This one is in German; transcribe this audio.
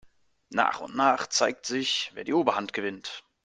Nach und nach zeigt sich, wer die Oberhand gewinnt.